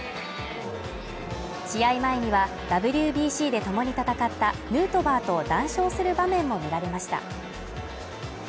試合前にはＷＢＣでともに戦ったヌートバーと談笑する場面も見られました。